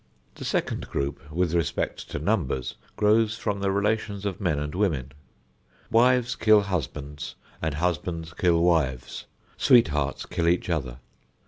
The second group, with respect to numbers, grows from the relations of men and women. Wives kill husbands and husbands kill wives; sweethearts kill each other.